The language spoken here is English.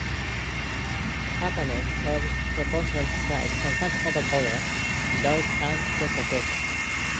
Opponents of the proposal cite concerns over odour, noise and the location.